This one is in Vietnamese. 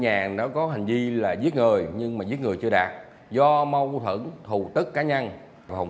ngàn nó có hành vi là giết người nhưng mà giết người chưa đạt do mâu thuẫn thù tức cá nhân và hồng